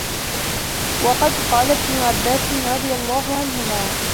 وَقَدْ قَالَ ابْنُ عَبَّاسٍ رَضِيَ اللَّهُ عَنْهُمَا